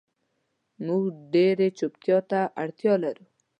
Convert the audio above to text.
مونږ ډیرې چوپتیا ته اړتیا لرو